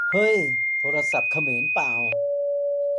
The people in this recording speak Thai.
เฮ่ย โทรศัพท์เขมรป่าว !